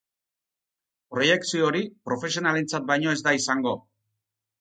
Proiekzio hori profesionalentzat baino ez da izango.